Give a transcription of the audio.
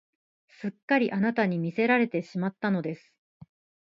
すっかりあなたに魅せられてしまったのです